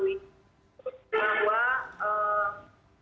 terima kasih yang tahu